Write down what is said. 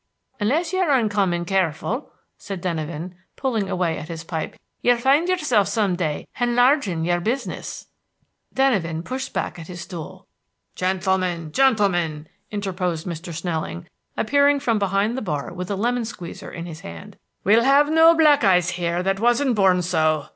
"Unless you're uncommon careful," said Denyven, pulling away at his pipe, "you'll find yourself some day henlarging your business." Durgin pushed back his stool. "Gentlemen! gentlemen!" interposed Mr. Snelling, appearing from behind the bar with a lemon squeezer in his hand, "we'll have no black eyes here that wasn't born so.